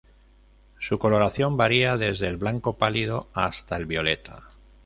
Su coloración varía desde el blanco pálido hasta el violeta.